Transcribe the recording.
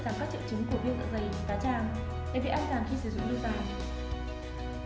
giảm các triệu chứng của viêm dạ dày tá tràng để bị an toàn khi sử dụng đa dạng